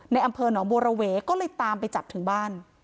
อำเภอหนองบัวระเวก็เลยตามไปจับถึงบ้าน